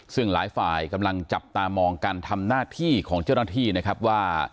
ซึ่งหลายฝ่ายกำลังจับตามองการทำหน้าที่ของเจ้าหน้าที่นะครับว่า